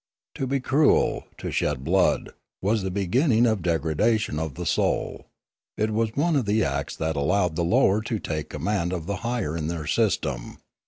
To be cruel, to shed blood, was the beginning of degradation of the soul ; it was one of the acts that allowed the lower to take command of the higher in their system.